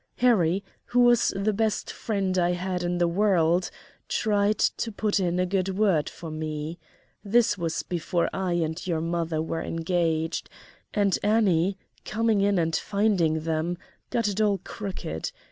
Harry, who was the best friend I had in the world, tried to put in a good word for me this was before I and your mother were engaged and Annie, coming in and finding them, got it all crooked.